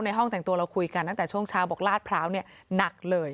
ห้องแต่งตัวเราคุยกันตั้งแต่ช่วงเช้าบอกลาดพร้าวเนี่ยหนักเลย